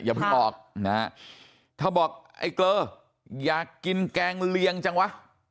อย่าเพิ่งบอกนะฮะถ้าบอกไอ้เกลออยากกินแกงเลียงจังวะ